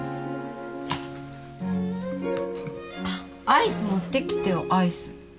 アイス持ってきてよアイス。